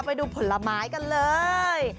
ไปดูผลไม้กันเลย